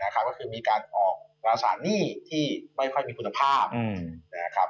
ก็คือมีการออกราศานี่ที่ไม่ค่อยมีคุณภาพ